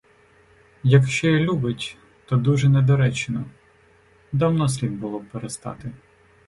Якщо й любить, то дуже недоречно, давно слід було б перестати.